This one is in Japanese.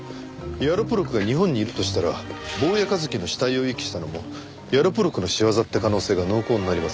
ヤロポロクが日本にいるとしたら坊谷一樹の死体を遺棄したのもヤロポロクの仕業って可能性が濃厚になりません？